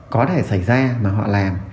có thể xảy ra mà họ làm